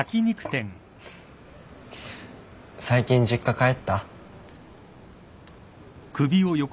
最近実家帰った？